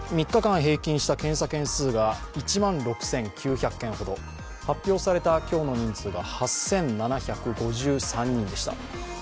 ３日間平均した検査件数が１万６９００件ほど、発表された今日の人数は８７５３人でした。